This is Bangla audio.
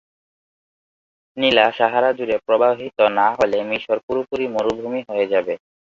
নীলা সাহারা জুড়ে প্রবাহিত না হলে মিশর পুরোপুরি মরুভূমি হয়ে যাবে।